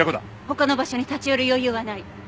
他の場所に立ち寄る余裕はない。